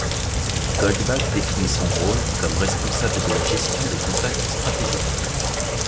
Goldbach définit son rôle comme responsable de la gestion des contacts stratégiques.